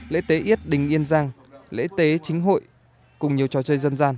lễ tế yết đình yên giang lễ tế chính hội cùng nhiều trò chơi dân gian